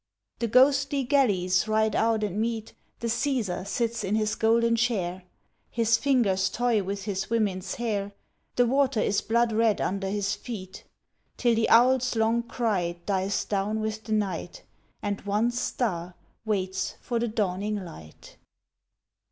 The ghostly galleys ride out and meet, The Cæsar sits in his golden chair, His fingers toy with his women's hair, The water is blood red under his feet, Till the owl's long cry dies down with the night, And one star waits for the dawning light.